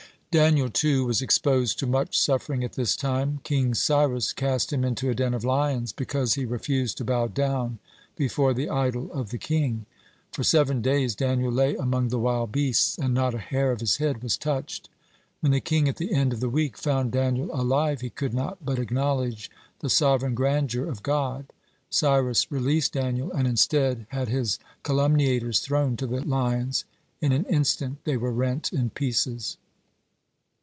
(5) Daniel, too, was exposed to much suffering at this time. King Cyrus cast him into a den of lions, because he refused to bow down before the idol of the king. For seven days Daniel lay among the wild beasts, and not a hair of his head was touched. When the king at the end of the week found Daniel alive, he could not but acknowledge the sovereign grandeur of God. Cyrus released Daniel, and instead had his calumniators thrown to the lions. In an instant they were rent in pieces.